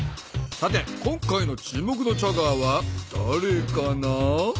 さて今回の注目のチャガーはだれかな？